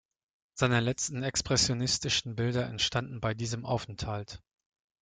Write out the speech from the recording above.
Seine letzten expressionistischen Bilder entstanden bei diesem Aufenthalt.